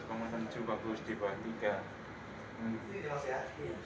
memang menuju bagus dibuat ikan